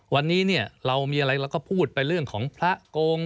วันนี้เนี่ยเรามีอะไรเราก็พูดไปเรื่องของพระโกง